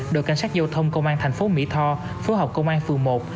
đội cảnh sát giao thông công an thành phố mỹ tho phố học công an phường một